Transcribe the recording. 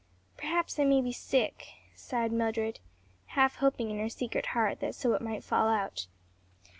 "Perhaps I may be sick," sighed Mildred, half hoping in her secret heart that so it might fall out.